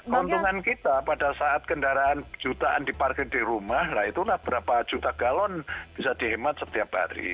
keuntungan kita pada saat kendaraan jutaan diparkir di rumah lah itulah berapa juta galon bisa dihemat setiap hari